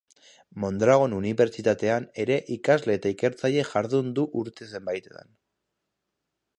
Mondragon Unibertsitatean ere irakasle eta ikertzaile jardun du urte zenbaitetan.